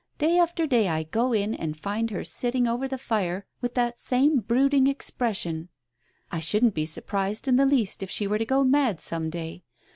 Day after day I go in and find her sitting over the fire, with that same brooding expression. I shouldn't be surprised in the least if she were to go mad some day.